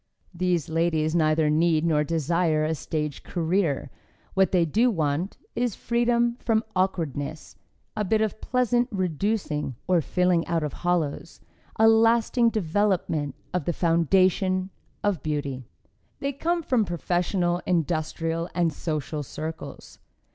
These ladies neither need nor desire a stage career; what they do want is freedom from awkwardness, a bit of pleasant reducing or filling out of hollows, a lasting development of the foundation of beauty. They come from professional, industrial and social circles.